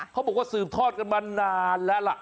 เขาบอกว่าสืบทอดกันมานานแล้วล่ะ